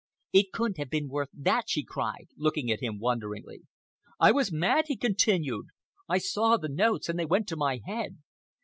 "It couldn't have been worth—that!" she cried, looking at him wonderingly. "I was mad," he continued. "I saw the notes and they went to my head.